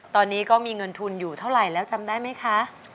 ตอนนี้ก็มีเงินทุนอยู่เท่าไหร่แล้วจำได้ไหมคะ